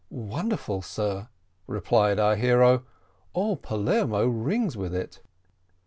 "Wonderful, sir!" replied our hero; "all Palermo rings with it."